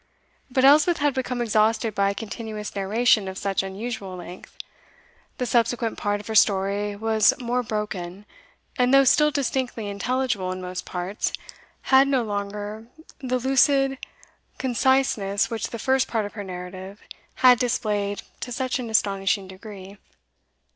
But Elspeth had become exhausted by a continuous narration of such unusual length; the subsequent part of her story was more broken, and though still distinctly intelligible in most parts, had no longer the lucid conciseness which the first part of her narrative had displayed to such an astonishing degree.